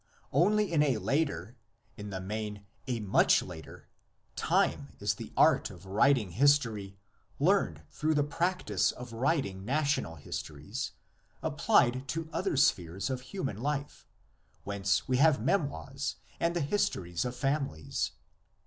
Only in a later, in the main a much later, time is the art of writing history, learned through the prac tice of writing national histories, applied to other spheres of human life, whence we have memoirs and the histories of families.